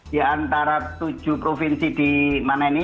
diantara tujuh provinsi di mana ini